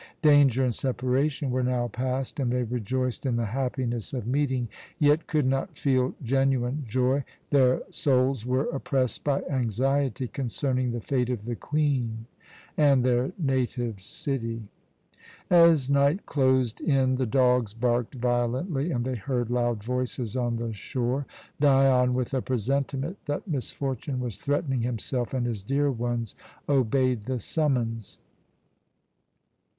Danger and separation were now passed, and they rejoiced in the happiness of meeting, yet could not feel genuine joy. Their souls were oppressed by anxiety concerning the fate of the Queen and their native city. As night closed in the dogs barked violently, and they heard loud voices on the shore. Dion, with a presentiment that misfortune was threatening himself and his dear ones, obeyed the summons.